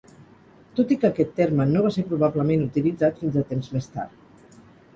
Tot i que aquest terme no va ser probablement utilitzat fins a temps més tard.